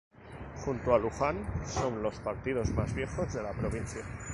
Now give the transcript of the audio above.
Junto a Luján, son los partidos más viejos de la provincia.